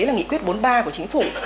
là nghị quyết bốn mươi ba của chính phủ